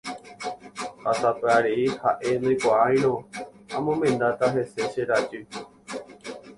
Ha sapy'arei ha'e ndoikuaairõ amomendáta hese che rajy.